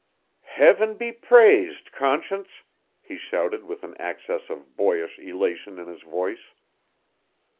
"Heaven be praised, Conscience," he shouted with an access of boyish elation in his voice.